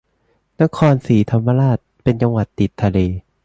นครศรีธรรมราชเป็นจังหวัดติดทะเล